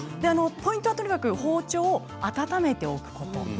ポイントはとにかく包丁を温めておくこと。